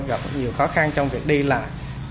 gặp nhiều khó khăn trong việc đi lại